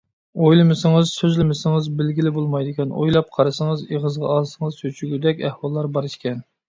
ئويلىمىسىڭىز، سۆزلىمىسىڭىز بىلگىلى بولمايدىكەن، ئويلاپ قارىسىڭىز، ئېغىزغا ئالسىڭىز چۆچۈگۈدەك ئەھۋاللار بار ئىكەن.